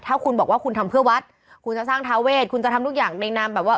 ถ้าคุณบอกว่าคุณทำเพื่อวัดคุณจะสร้างทาเวทคุณจะทำทุกอย่างในนามแบบว่า